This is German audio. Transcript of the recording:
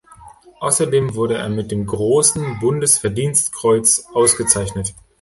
Außerdem wurde er mit dem Großen Bundesverdienstkreuz ausgezeichnet.